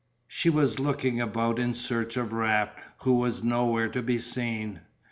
She was looking about in search of Raft who was nowhere to be seen.